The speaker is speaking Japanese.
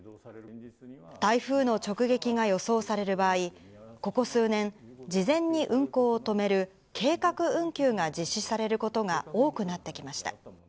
台風の直撃が予想される場合、ここ数年、事前に運行を止める計画運休が実施されることが多くなってきました。